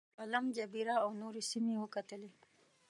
پالم جبیره او نورې سیمې وکتلې.